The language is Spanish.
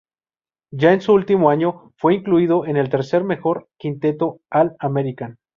Ya en su último año fue incluido en el tercer mejor quinteto All-American.